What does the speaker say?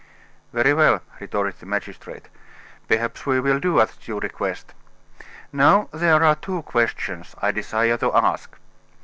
"Very well," retorted the magistrate. "Perhaps we will do as you request. Now, there are two questions I desire to ask.